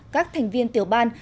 các thành viên tiểu ban